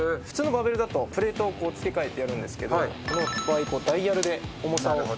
普通のバーベルだとプレートを付け替えてやるんですけどこの場合ダイヤルで重さを。